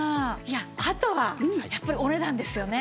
あとはやっぱりお値段ですよね。